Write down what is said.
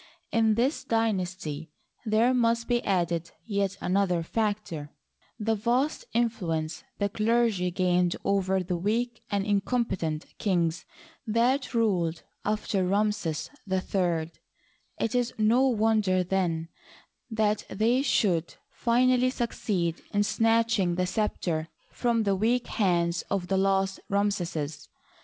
In this dynasty there must be added yet another factor — the vast influ ence the clergy gained over the weak and incompetent kings that ruled after Ramses III. It is no wonder, then, Digitized byCjOOQlC 98 HISTORY OF EGYPT. that they should finally succeed in snatching the scepter from the weak hands of the last Ramses.